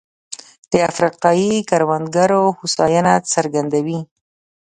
د افریقايي کروندګرو هوساینه څرګندوي.